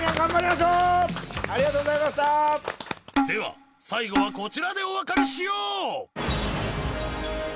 では最後はこちらでお別れしよう！